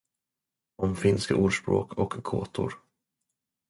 Om Finska Ordspråk och Gåtor.